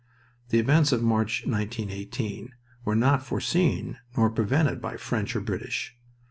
The events of March, 1918, were not foreseen nor prevented by French or British.